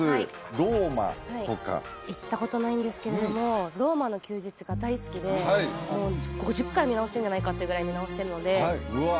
ローマとか行ったことないんですけれども５０回見直してるんじゃないかっていうぐらい見直してるのでうわ